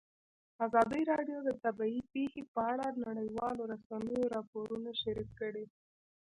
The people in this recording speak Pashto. ازادي راډیو د طبیعي پېښې په اړه د نړیوالو رسنیو راپورونه شریک کړي.